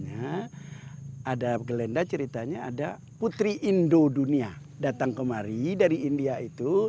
ada gelenda ceritanya ada putri indo dunia datang kemari dari india itu